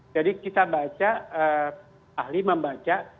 jadi kita baca ahli membaca